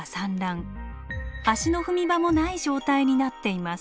足の踏み場もない状態になっています。